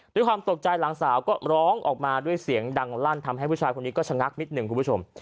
ด้วยความตกใจหลังสาวก็ร้องออกมาด้วยเสียงดังลั่นทำให้ผู้ชายคนนี้ก็ชะงักนิดหนึ่งคุณผู้ชม